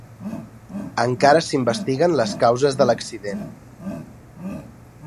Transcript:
Encara s’investiguen les causes de l’accident.